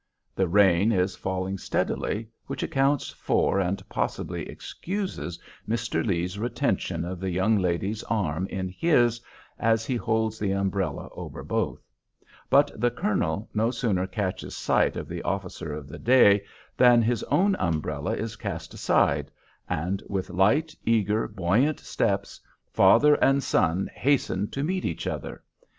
The rain is falling steadily, which accounts for and possibly excuses Mr. Lee's retention of the young lady's arm in his as he holds the umbrella over both; but the colonel no sooner catches sight of the officer of the day than his own umbrella is cast aside, and with light, eager, buoyant steps, father and son hasten to meet each other.